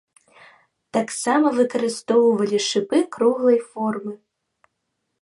Таксама выкарыстоўвалі шыпы круглай формы.